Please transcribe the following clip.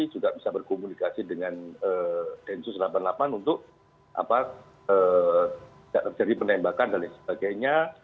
juga bisa berkomunikasi dengan densus delapan puluh delapan untuk penembakan dan sebagainya